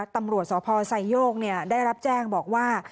ตำรวจสพไซโยกได้รับแจ้งบอกว่า